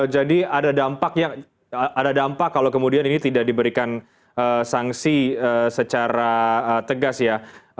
jadi ada dampak ya ada dampak kalau kemudian ini tidak diberikan sanksi secara tegas ya